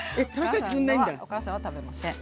お母さんは食べません。